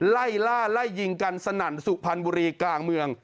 ไล่ล่าไล่ยิงกันสนั่นสุพรรณบุรีกลางเมือง